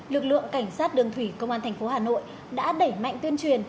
lực lượng cảnh sát đường thủy công an tp hà nội đã đẩy mạnh tuyên truyền